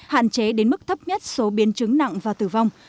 hạn chế đến mức thấp nhất số biến chứng nặng và tử vong